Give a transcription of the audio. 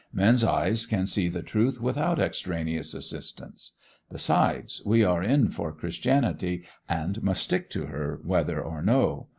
Men's eyes can see the truth without extraneous assistance. Besides, we are in for Christianity, and must stick to her whether or no.